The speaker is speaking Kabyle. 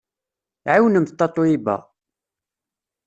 Ɛiwnemt Tatoeba!